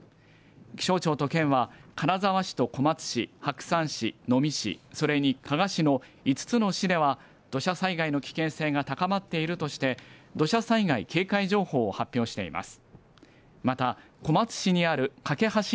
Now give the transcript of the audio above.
気象庁と県は金沢市と小松市、白山市、能美市、それに加賀市の５つの市では土砂災害の危険性が高まっているとして土砂災害警戒情報を発表しています。